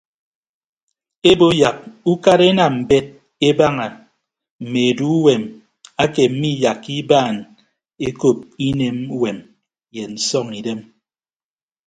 Ebo yak ukara enam mbet ebaña mme eduuwem ake miiyakka ibaan ekop inemuwem ye nsọñidem.